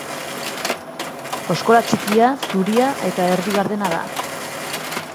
Oskola txikia, zuria eta erdi gardena da.